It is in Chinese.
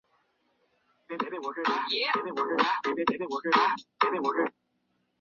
四川丝带藓为蔓藓科丝带藓属下的一个种。